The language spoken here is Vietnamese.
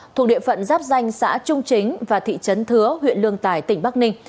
thuộc địa phận giáp danh xã trung chính và thị trấn thứa huyện lương tài tỉnh bắc ninh